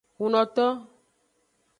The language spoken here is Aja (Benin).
Hunnoto.